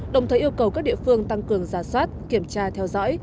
đồng thời yêu cầu các địa phương tăng cường giả soát kiểm tra theo dõi